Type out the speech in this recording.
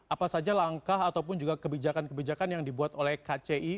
apa saja langkah ataupun juga kebijakan kebijakan yang dibuat oleh kci